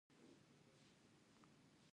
د کور ستونزه باید له کوره ونه وځي.